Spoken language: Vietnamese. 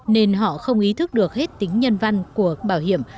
nên họ không ý thức được hết tính nhân văn của bảo hiểm